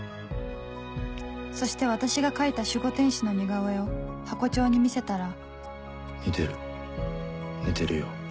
そして私が描いた守護天使の似顔絵をハコ長に見せたら似てる似てるよ